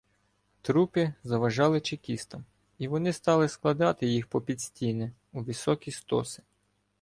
Трупи заважали чекістам, і вони стали складати їх попід стіни у високі стоси.